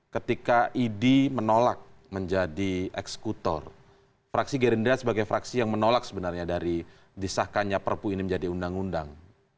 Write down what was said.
ketika idi menolak menjadi eksekutor fraksi gerindra sebagai fraksi yang menolak sebenarnya dari disahkannya perpu ini menjadi undang undang